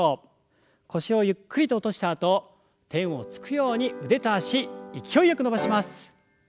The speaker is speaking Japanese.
腰をゆっくりと落としたあと天をつくように腕と脚勢いよく伸ばします。